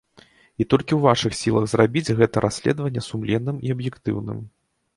І толькі ў вашых сілах зрабіць гэта расследаванне сумленным і аб'ектыўным.